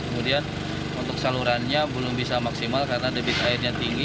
kemudian untuk salurannya belum bisa maksimal karena debit airnya tinggi